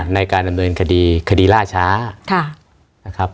ในการดำเนินคดีคดีล่าช้า